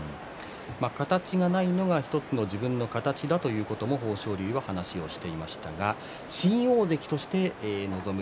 形がないのが１つの自分の形だと豊昇龍は話していましたが新大関として臨む